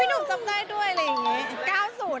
พี่หนุ่มจำได้ด้วยแล้วอย่างนี้